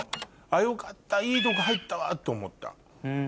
よかったいいとこ入ったわと思った。